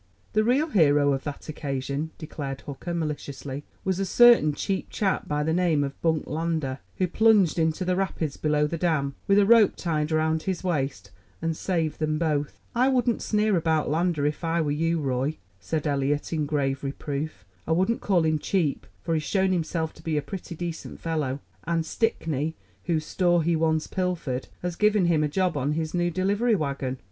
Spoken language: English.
"The real hero of that occasion," declared Hooker maliciously, "was a certain cheap chap by the name of Bunk Lander, who plunged into the rapids below the dam, with a rope tied round his waist, and saved them both." "I wouldn't sneer about Lander, if I were you, Roy," said Eliot in grave reproof. "I wouldn't call him cheap, for he's shown himself to be a pretty decent fellow; and Stickney, whose store he once pilfered, has given him a job on his new delivery wagon.